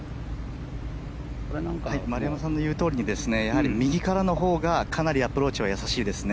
丸山さんの言うとおりにやはり右からのほうがかなりアプローチは易しいですね。